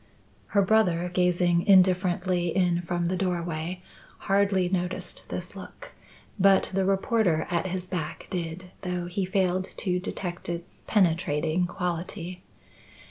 Her brother, gazing indifferently in from the doorway, hardly noticed this look; but the reporter at his back did, though he failed to detect its penetrating quality.